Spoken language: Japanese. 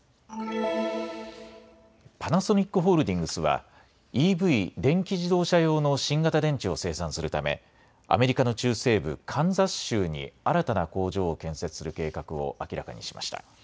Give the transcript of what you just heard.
パナソニックホールディングスはＥＶ・電気自動車用の新型電池を生産するためアメリカの中西部カンザス州に新たな工場を建設する計画を明らかにしました。